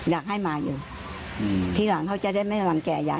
อยากให้มาอยู่ทีหลังเขาจะได้ไม่รังแก่ยาย